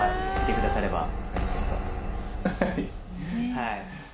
はい